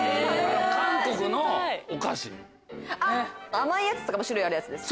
甘いやつとかも種類あるやつですか？